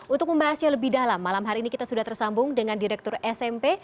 untuk membahasnya lebih dalam malam hari ini kita sudah tersambung dengan direktur smp